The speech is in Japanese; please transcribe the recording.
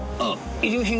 遺留品係？